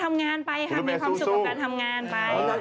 ทำงานไปค่ะมีความสุขกับการทำงานไป